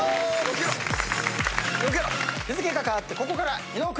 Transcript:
日付が変わってここから伊野尾君合流でーす！